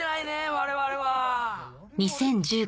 我々は。